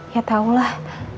ya tau lah